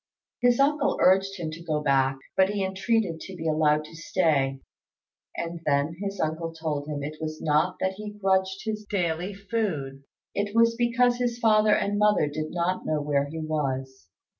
His uncle urged him to go back, but he entreated to be allowed to stay; and then his uncle told him it was not that he grudged his daily food: it was because his father and mother did not know where he was.